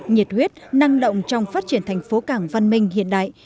nhiệt huyết năng động trong phát triển thành phố cảng văn minh hiện đại